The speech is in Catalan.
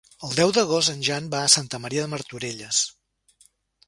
El deu d'agost en Jan va a Santa Maria de Martorelles.